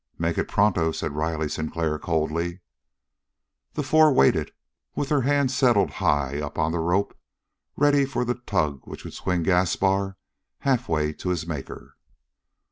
"Make it pronto," said Riley Sinclair coldly. The four waited, with their hands settled high up on the rope, ready for the tug which would swing Gaspar halfway to his Maker.